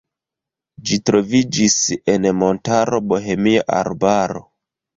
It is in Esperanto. Ĝi troviĝis en montaro Bohemia arbaro.